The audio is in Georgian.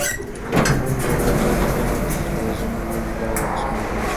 რთული ბუნება ისეთი დიდი ღმერთებისა, როგორიცაა შემოქმედი ბრაჰმა, მხსნელი ვიშნუ და გამანადგურებელი შივა.